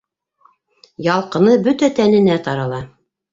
Ялҡыны бөтә тәненә тарала.